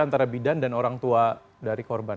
antara bidan dan orang tua dari korban